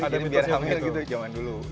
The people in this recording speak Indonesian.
tapi biar hamil gitu zaman dulu